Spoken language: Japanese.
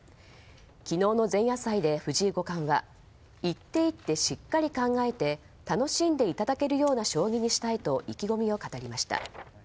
昨日の前夜祭で藤井五冠は一手一手しっかり考えて楽しんでいただけるような将棋にしたいと意気込みを語りました。